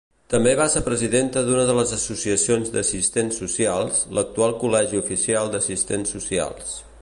També va ser presidenta d'una de les associacions d'assistents socials, l'actual Col·legi Oficial d'Assistents Socials.